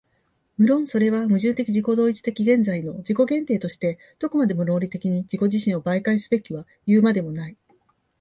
無論それは矛盾的自己同一的現在の自己限定としてどこまでも論理的に自己自身を媒介すべきはいうまでもない。